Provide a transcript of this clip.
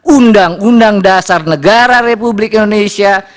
undang undang dasar negara republik indonesia